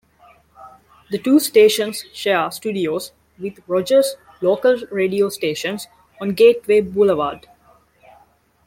The two stations share studios with Rogers' local radio stations on Gateway Boulevard.